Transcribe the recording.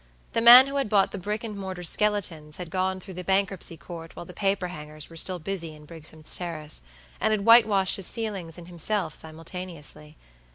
The man who had bought the brick and mortar skeletons had gone through the bankruptcy court while the paper hangers were still busy in Brigsome's Terrace, and had whitewashed his ceilings and himself simultaneously.